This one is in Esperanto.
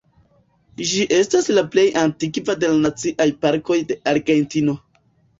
Ĝi estas la plej antikva de la Naciaj Parkoj de Argentino.